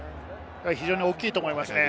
非常に大きいと思います。